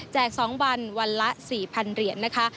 ๒วันวันละ๔๐๐เหรียญนะคะ